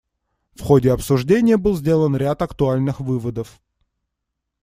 В ходе обсуждения был сделан ряд актуальных выводов.